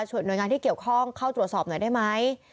ส่วนหน่วยงานที่เกี่ยวข้องเข้าตรวจสอบหน่อยได้ไหม